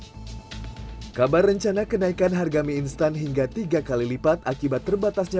hai kabar rencana kenaikan harga mie instan hingga tiga kali lipat akibat terbatasnya